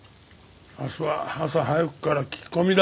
明日は朝早くから聞き込みだ。